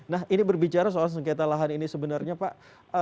nah ini berbicara soal sengketa lahan ini sebenarnya pak